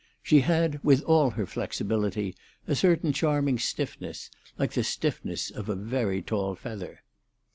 She had, with all her flexibility, a certain charming stiffness, like the stiffness of a very tall feather.